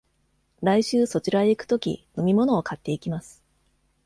来週そちらへ行くとき、飲み物を買っていきます。